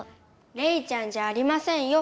レイちゃんじゃありませんよ。